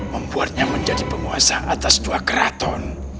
membuatnya menjadi penguasa atas dua keraton